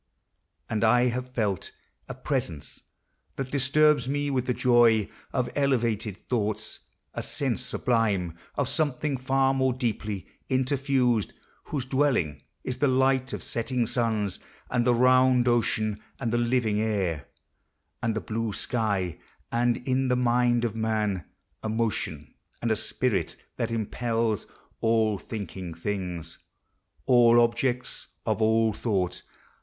And I have felt A presence that disturbs me with the joy Of elevated thoughts ; a sense sublime Of something far more deeply interfused. Whose dwelling is the light of setting suns, And the round ocean, and the living air, And the blue sky, and in the mind of man : A motion and a spirit, that impels All thinking things, all objects of all thought.